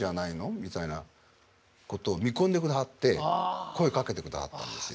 みたいなことを見込んでくださって声かけてくださったんですよ。